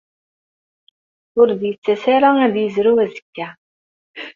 Ur d-yettas ara ad yezrew azekka.